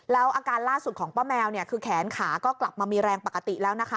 แล้วอาการล่าสุดของป้าแมวเนี่ยคือแขนขาก็กลับมามีแรงปกติแล้วนะคะ